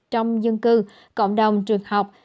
trong dân cư cộng đồng trường học